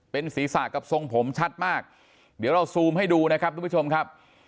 เป็นศีรษะกับทรงผมชัดมากเดี๋ยวเราซูมให้ดูนะครับทุกผู้ชมครับ